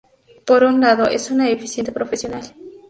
Por un lado es una eficiente profesional.